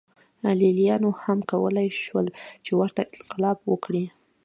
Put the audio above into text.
لېلیانو هم کولای شول چې ورته انقلاب وکړي